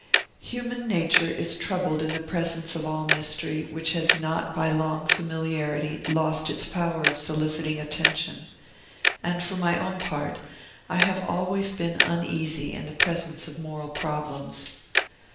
Human nature is troubled in the presence of all mystery which has not by long familiarity lost its power of soliciting attention; and for my own part, I have always been uneasy in the presence of moral problems.